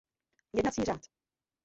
Jednací řád.